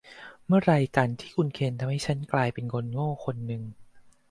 เมื่อไหร่กันที่คุณเคนทำให้ฉันกลายเป็นคนโง่คนหนึ่ง